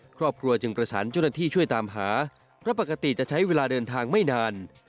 ครอบครัวจึงประสานเจ้าหน้าที่ช่วยตามหาเพราะปกติจะใช้เวลาเดินทางไม่นาน